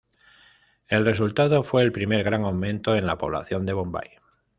El resultado fue el primer gran aumento en la población de Bombay.